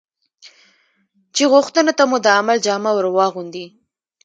چې غوښتنو ته مو د عمل جامه ور واغوندي.